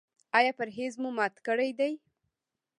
ایا پرهیز مو مات کړی دی؟